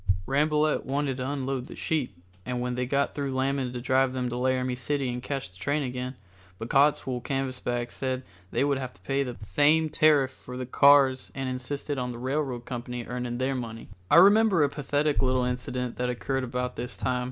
Rambolet wanted to unload the sheep, and when they got through lambing to drive them to Laramie City and catch the train again, but Cottswool Canvasback said they would have to pay the same tariff for the cars and insisted on the railroad company earning their money. JACKDO SINGS "HOME, SWEET HOME." I remember a pathetic little incident that occurred about this time.